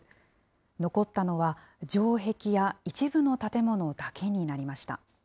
残ったのは城壁や一部の建物だけになりました。